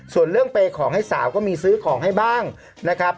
ส่วนเรื่องเปย์ของให้สาวก็มีซื้อของให้บ้างนะครับ